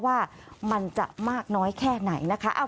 ว่ามันจะมากน้อยแค่ไหนนะคะ